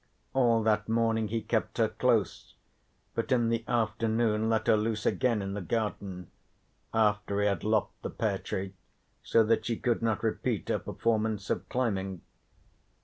All that morning he kept her close, but in the afternoon let her loose again in the garden after he had lopped the pear tree so that she could not repeat her performance of climbing.